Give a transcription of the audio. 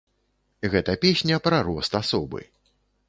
Гэта песня пра рост асобы.